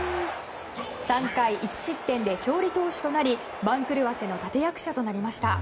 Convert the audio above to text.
３回１失点で勝利投手となり番狂わせの立役者となりました。